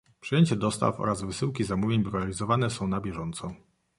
Przyjęcia dostaw oraz wysyłki zamówień realizowane są na bieżąco.